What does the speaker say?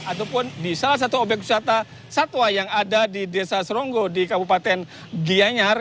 ataupun di salah satu obyek wisata satwa yang ada di desa seronggo di kabupaten gianyar